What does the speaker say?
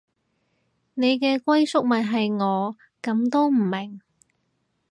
你嘅歸宿咪係我，噉都唔明